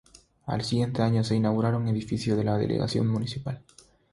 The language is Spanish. Al siguiente año se inauguraron: Edificio de la Delegación Municipal.